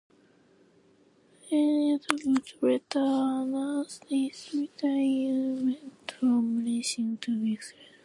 Ernie would later announce his retirement from racing two weeks later.